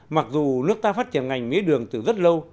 mặc dù nước ta phát triển ngành mía đường từ rất lâu